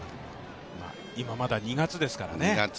今まだ２月ですからね。